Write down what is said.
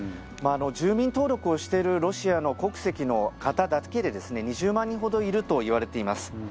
住民登録をしているロシア国籍の方だけで２０万人ほどいるといわれています。